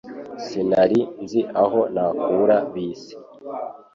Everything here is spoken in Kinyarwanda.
Sinari nzi aho nakura bisi